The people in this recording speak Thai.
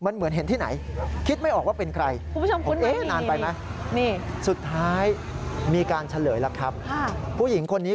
เจ๊หงพิษบู